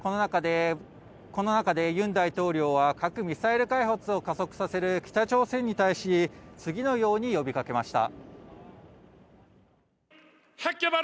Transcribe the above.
この中でユン大統領は核・ミサイル開発を加速させる北朝鮮に対し次のように呼びかけました。